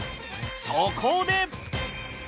そこで。